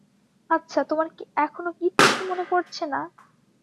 আচ্ছা, তোমার কী এখনও কিচ্ছু মনে পড়ছে না?